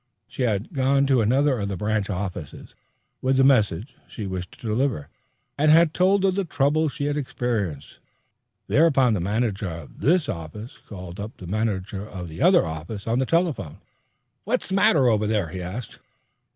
She had gone to another of the branch offices with the message she wished delivered, and had told of the trouble she had experienced. Thereupon the manager of this office called up the manager of the other on the telephone. "What's the matter over there?" he asked.